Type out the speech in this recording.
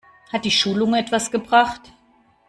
Hat die Schulung etwas gebracht?